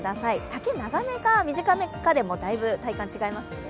丈が長めか短めかでも、だいぶ体感が違いますからね。